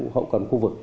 hậu cần khu vực